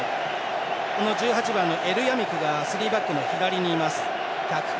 １１番のエルヤミクが３バックの左にいます。